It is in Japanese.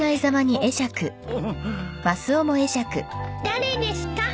誰ですか？